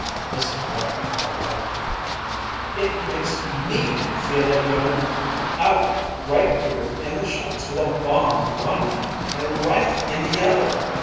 Mrs. Marshall cried out, "It makes me feel like going out right here in La Chance with a bomb in one hand and a rifle in the other!"